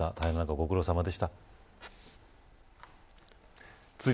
御苦労さまでした。